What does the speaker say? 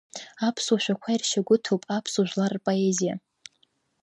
Аԥсуа шәақәа иршьагәыҭуп аԥсуа жәлар рпоезиа.